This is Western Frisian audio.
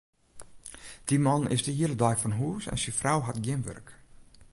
Dy man is de hiele dei fan hûs en syn frou hat gjin wurk.